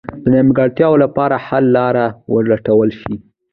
د نیمګړتیاوو لپاره حل لاره ولټول شي.